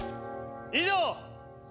以上！